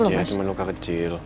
iya cuma luka kecil